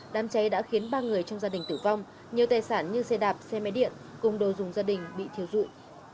đám cháy đã khiến ba người trong gia đình tử vong nhiều tài sản như xe đạp xe máy điện cùng đồ dùng gia đình bị thiếu dụi